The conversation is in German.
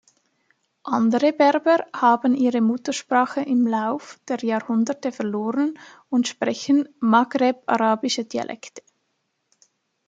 Andere Berber haben ihre Muttersprache im Lauf der Jahrhunderte verloren und sprechen Maghreb-arabische Dialekte.